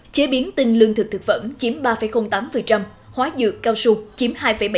chế biến tinh lương thực thực phẩm chiếm ba tám hóa dược cao su chiếm hai bảy mươi một